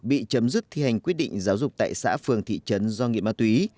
bị chấm dứt thi hành quyết định giáo dục tại xã phường thị trấn do nghiện ma túy